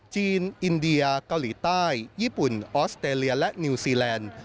จีนอินเดียเกาหลีใต้ญี่ปุ่นออสเตรเลียและนิวซีแลนด์